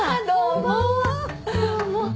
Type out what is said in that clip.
どうも。